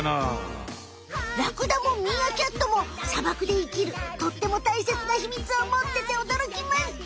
ラクダもミーアキャットも砂漠で生きるとってもたいせつなヒミツをもってておどろきました。